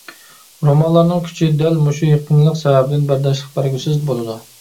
رومانلارنىڭ كۈچى دەل مۇشۇ يېقىنلىق سەۋەبىدىن بەرداشلىق بەرگۈسىز بولىدۇ.